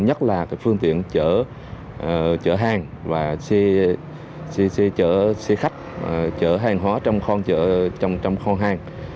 nhất là phương tiện chở hàng chở xe khách chở hàng hóa trong kho hàng